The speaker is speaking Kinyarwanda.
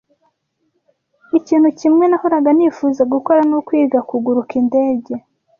Ikintu kimwe nahoraga nifuza gukora nukwiga kuguruka indege.